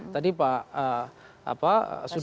tadi pak sarif sudah menyampaikan soal